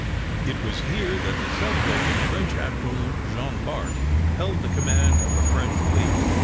It was here that the celebrated French Admiral, Jean Bart, held the command of a French fleet.